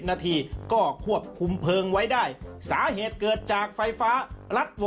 นี่เป็นอย่างกระสายไฟเหรอ